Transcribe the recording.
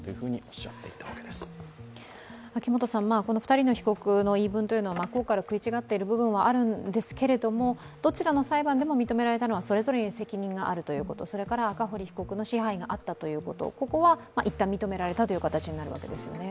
２人の被告の言い分は真っ向から食い違っている部分はあるんですけれども、どちらの裁判でも認められたのは、それぞれに責任があるということそれから赤堀被告の支配があったということここはいったん認められたという形になるわけですよね。